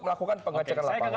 melakukan pengecekan lapangan